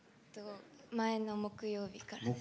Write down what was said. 前の木曜日からです。